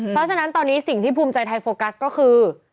เพราะฉะนั้นตอนนี้สิ่งที่ภูมิใจไทยโฟกัสก็คือ